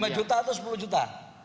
lima juta atau sepuluh juta